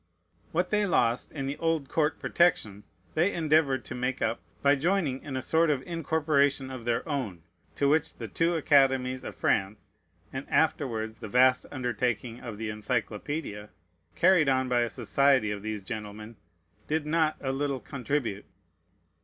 What they lost in the old court protection they endeavored to make up by joining in a sort of incorporation of their own; to which the two academies of France, and afterwards the vast undertaking of the Encyclopædia, carried on by a society of these gentlemen, did not a little contribute.